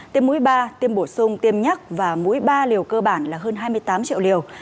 tiêm mũi ba tiêm bổ sung tiêm nhắc và mũi ba liều cơ bản là hơn hai mươi tám triệu liều